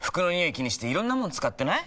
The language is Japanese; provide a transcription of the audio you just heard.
気にしていろんなもの使ってない？